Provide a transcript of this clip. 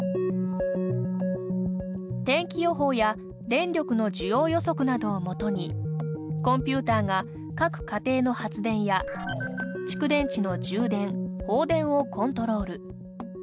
天気予報や電力の需要予測などを基にコンピューターが各家庭の発電や蓄電池の充電放電をコントロール。